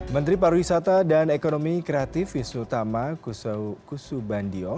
menteri pariwisata dan ekonomi kreatif wisnu tama kusubandio